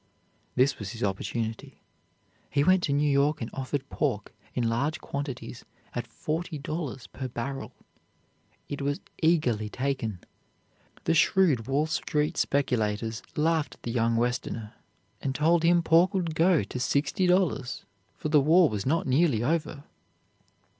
This was his opportunity. He went to New York and offered pork in large quantities at forty dollars per barrel. It was eagerly taken. The shrewd Wall Street speculators laughed at the young Westerner, and told him pork would go to sixty dollars, for the war was not nearly over.